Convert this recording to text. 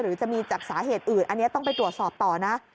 หรือจะมีจากสาเหตุอื่นอันนี้ต้องไปตรวจสอบต่อนะ